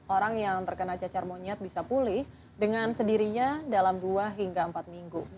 orang yang terkena cacar monyet bisa pulih dengan sendirinya dalam dua hingga empat minggu